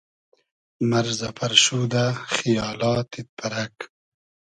مئرزۂ پئرشودۂ خیالا تید پئرئگ